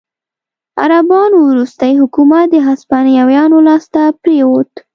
عربانو وروستی حکومت د هسپانویانو لاسته پرېوت.